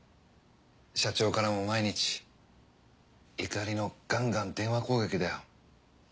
社長からも毎日怒りのガンガン電話攻撃だよ。